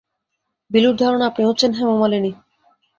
বিলুর ধারণা, আপনি হচ্ছেন হেমা মালিনী।